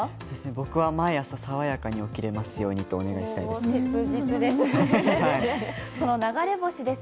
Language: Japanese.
僕は毎朝爽やかに起きれますようにとお願いしたいです。